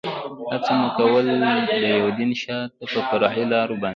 هڅه مو کول، د یوډین شاته پر فرعي لارو باندې.